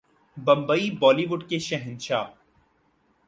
Mumbai Bollywood کے شہنشاہ